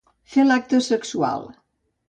Fer l'acte sexual.